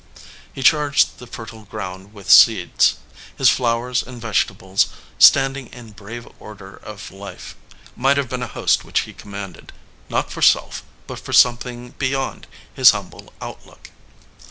He charged the fertile ground with seeds. His flowers and vegetables, standing in brave order of life, might have been a host which he com manded, not for self, but for something beyond his humble outlook.